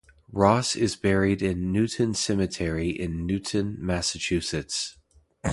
Ross is buried in Newton Cemetery in Newton, Massachusetts.